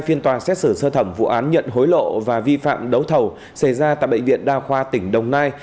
phiên tòa xét xử sơ thẩm vụ án nhận hối lộ và vi phạm đấu thầu xảy ra tại bệnh viện đa khoa tỉnh đồng nai